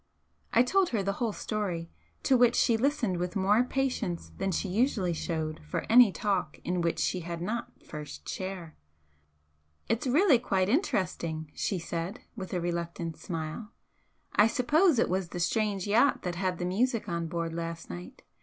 I told her the whole story, to which she listened with more patience than she usually showed for any talk in which she had not first share. "It's really quite interesting!" she said, with a reluctant smile "I suppose it was the strange yacht that had the music on board last night.